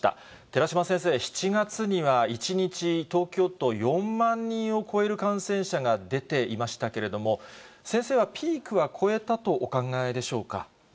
寺嶋先生、７月には１日、東京都４万人を超える感染者が出ていましたけれども、先生はピークは越えたとお考えでしょうか。